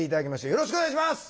よろしくお願いします！